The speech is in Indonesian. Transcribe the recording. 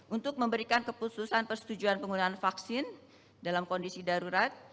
untuk memberikan kekhususan persetujuan penggunaan vaksin dalam kondisi darurat